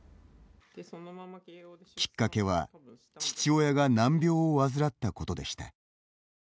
きっかけは父親が難病を患ったことでした。